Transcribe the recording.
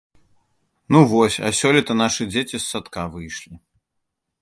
Ну вось, а сёлета нашы дзеці з садка выйшлі.